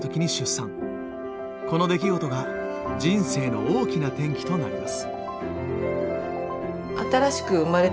この出来事が人生の大きな転機となります。